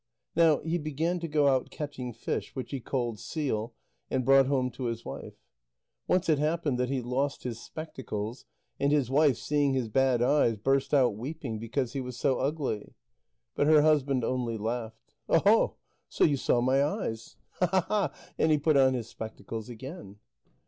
Now he began to go out catching fish, which he called seal, and brought home to his wife. Once it happened that he lost his spectacles, and his wife, seeing his bad eyes, burst out weeping, because he was so ugly. But her husband only laughed. "Oho, so you saw my eyes? Hahaha!" And he put on his spectacles again.